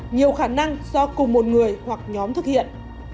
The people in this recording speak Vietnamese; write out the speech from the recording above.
nhiều khả năng do cùng một người hoặc nhóm thực hiện